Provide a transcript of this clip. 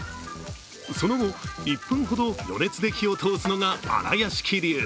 その後、１分ほど余熱で火を通すのが新屋敷流。